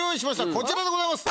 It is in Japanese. こちらでございます